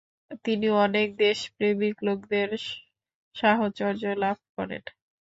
তিনি অনেক দেশপ্রেমিক লোকদের সাহচর্য লাভ করেন ।